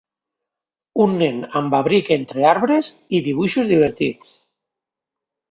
Un nen amb un abric entre arbres i dibuixos divertits.